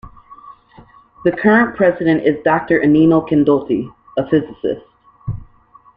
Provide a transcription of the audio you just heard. The current president is Doctor Ennio Candotti, a physicist.